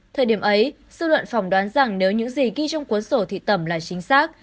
thời điểm ấy sư luận phỏng đoán rằng nếu những gì ghi trong cuốn sổ thị tẩm là chính xác